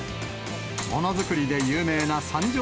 ものづくりで有名な三条